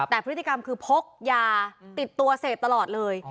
แต่พฤติกรรมคือพกยาติดตัวเสพตลอดเลย